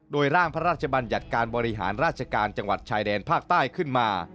โดยร่างพระราชบัญญัติการบริหารราชการจังหวัดชายแดนภาคใต้ขึ้นมา